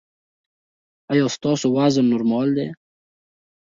ایا ستاسو وزن نورمال دی؟